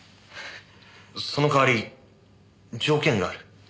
その代わり条件がある。